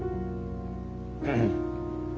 うん。